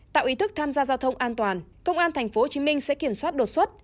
tạo ý thức tham gia giao thông an toàn công an tp hcm sẽ kiểm soát đột xuất